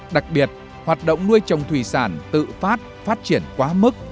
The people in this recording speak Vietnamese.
đặc biệt hoạt động nuôi trồng thủy sản tự phát phát triển quá mức